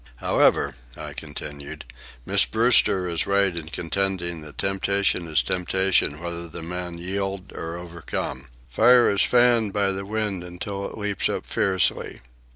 "However," I continued, "Miss Brewster is right in contending that temptation is temptation whether the man yield or overcome. Fire is fanned by the wind until it leaps up fiercely.